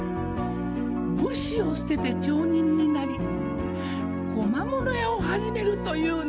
武士を捨てて町人になり小間物屋を始めると言うのですか。